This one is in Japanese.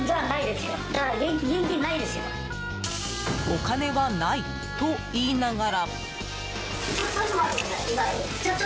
お金はないと言いながら。